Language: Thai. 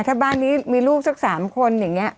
ถ้าบ้านนี้มีลูกสัก๓คนอย่างนี้